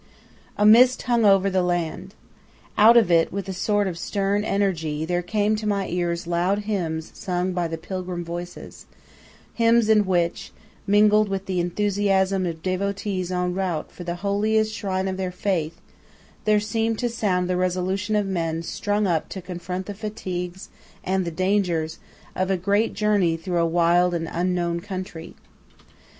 A mist hung over the land. Out of it, with a sort of stern energy, there came to my ears loud hymns sung by the pilgrim voices hymns in which, mingled with the enthusiasm of devotees en route for the holiest shrine of their faith, there seemed to sound the resolution of men strung up to confront the fatigues and the dangers of a great journey through a wild and unknown country.